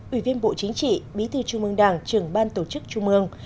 ủy viên bộ chính trị bí thư trung mương đảng trưởng ban tổ chức trung ương